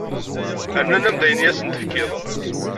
Rran-am-d ayen i asen-tefkiḍ.